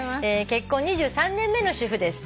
結婚２３年目の主婦です」